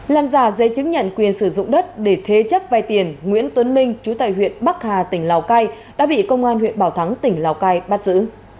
làm giả giấy chứng nhận quyền sử dụng đất để thế chấp vai tiền nguyễn tuấn minh chú tại huyện bắc hà tỉnh lào cai đã bị công an huyện bảo thắng tỉnh lào cai bắt giữ